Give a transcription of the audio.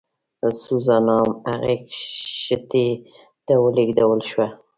سوزانا هغې کښتۍ ته ولېږدول شوه.